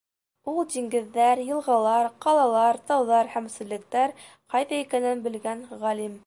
Ул диңгеҙҙәр, йылғалар, ҡалалар, тауҙар һәм сүллектәр ҡайҙа икәнен белгән ғалим.